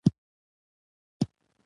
دا پردې صلبیه، مشیمیه او شبکیه نومیږي.